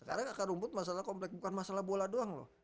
karena akar rumput masalah komplek bukan masalah bola doang loh